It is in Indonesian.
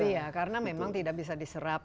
iya karena memang tidak bisa diserap